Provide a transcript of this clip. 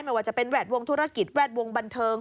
ไม่ว่าจะเป็นแวดวงธุรกิจแวดวงบันเทิง